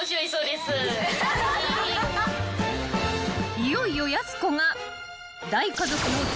［いよいよやす子が］